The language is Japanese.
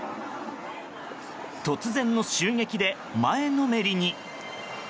突然の襲撃で前のめりに。